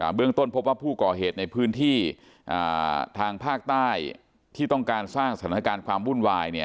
เบื้องต้นพบว่าผู้ก่อเหตุในพื้นที่ทางภาคใต้ที่ต้องการสร้างสถานการณ์ความวุ่นวาย